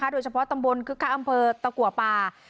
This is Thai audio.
โดยเฉพาะตำบลคึกคักอำเภอตะกัวป่า